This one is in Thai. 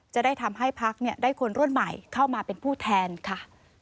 จะได้ทำให้พักได้คนรุ่นใหม่เข้ามาเป็นผู้แทนค่ะ